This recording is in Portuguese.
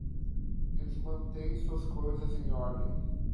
Eles mantêm suas coisas em ordem.